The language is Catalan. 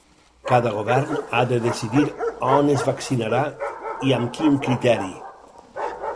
Cada govern ha de decidir on es vaccinarà i amb quin criteri.